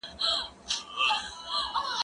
زه به تکړښت کړي وي؟